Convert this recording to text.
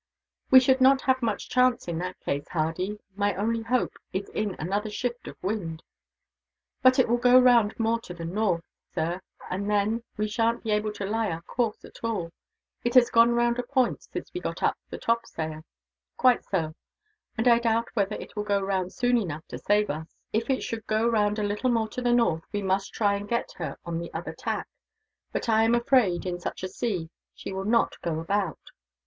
"We should not have much chance, in that case, Hardy; my only hope is in another shift of wind." "But it will go round more to the north, sir, and then we sha'n't be able to lie our course, at all. It has gone round a point, since we got up the top sail." "Quite so; and I doubt whether it will go round soon enough to save us. If it should go round a little more to the north, we must try and get her on the other tack; but I am afraid, in such a sea, she will not go about.